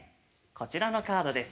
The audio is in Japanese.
こちらのカードです。